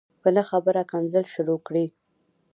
په نه خبره کنځل شروع کړي